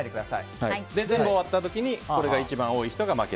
全部終わった時にこれが一番多い人が負け。